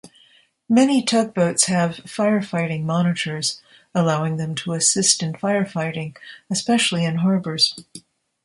Many tugboats have firefighting monitors, allowing them to assist in firefighting, especially in harbors.